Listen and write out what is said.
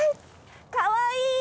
かわいい！